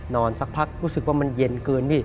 สักพักรู้สึกว่ามันเย็นเกินพี่